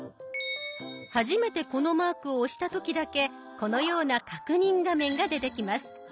初めてこのマークを押した時だけこのような確認画面が出てきます。